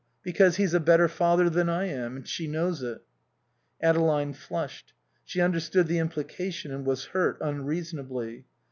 Because he's a better father than I am; and she knows it." Adeline flushed. She understood the implication and was hurt, unreasonably.